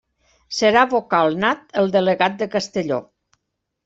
Serà vocal nat el delegat de Castelló.